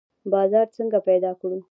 بازار څنګه پیدا کړو؟